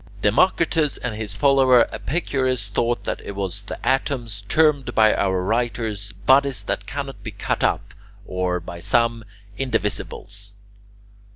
Democritus and his follower Epicurus thought that it was the atoms, termed by our writers "bodies that cannot be cut up," or, by some, "indivisibles."